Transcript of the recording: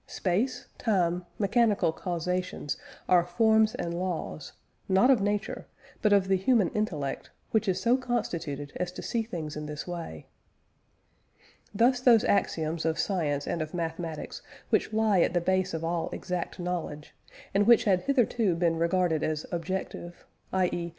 Space, time, mechanical causation are forms and laws, not of nature, but of the human intellect, which is so constituted as to see things in this way. Thus those axioms of science and of mathematics which lie at the base of all exact knowledge, and which had hitherto been regarded as objective, i.e.